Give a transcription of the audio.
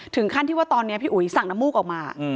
ถึงขั้นที่ว่าตอนนี้พี่อุ๋ยสั่งน้ำมูกออกมา